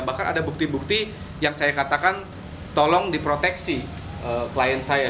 bahkan ada bukti bukti yang saya katakan tolong diproteksi klien saya